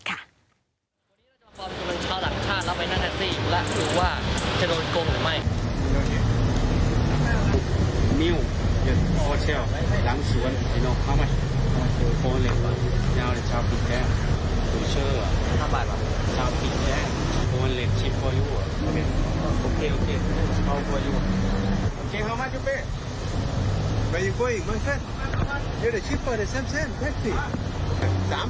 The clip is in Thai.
๑ป่าย๑ป่าย๑ป่าย๓ป่าย